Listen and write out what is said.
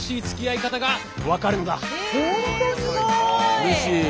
うれしい。